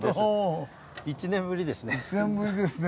１年ぶりですね。